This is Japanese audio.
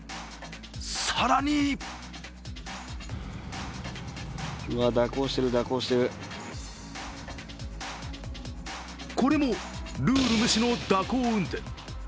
更にこれもルール無視の蛇行運転。